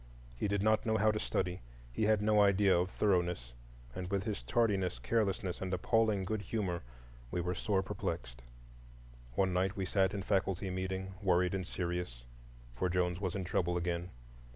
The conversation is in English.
He did not know how to study; he had no idea of thoroughness; and with his tardiness, carelessness, and appalling good humor, we were sore perplexed. One night we sat in faculty meeting, worried and serious; for Jones was in trouble again.